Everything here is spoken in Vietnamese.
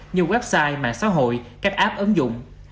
như website mạng xã hội các app ứng dụng